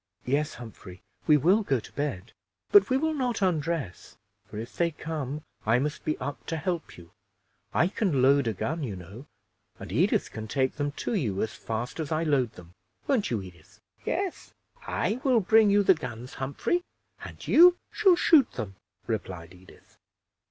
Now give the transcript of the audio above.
"Yes, Humphrey, we will go to bed, but we will not undress, for if they come, I must be up to help you. I can load a gun, you know, and Edith can take them to you as fast as I load them. Won't you, Edith?" "Yes, I will bring you the guns, Humphrey, and you shall shoot them," replied Edith.